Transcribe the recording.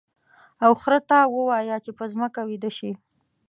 او خر ته ووایه چې په ځمکه ویده شي.